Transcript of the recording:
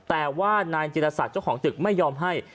แต่ว่านายจิรศักดิ์เจ้าของตึกไม่ยอมให้